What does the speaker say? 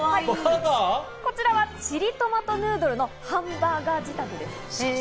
こちらはチリトマトヌードルのハンバーガー仕立てです。